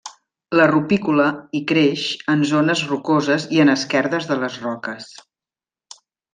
És rupícola i creix en zones rocoses i en esquerdes de les roques.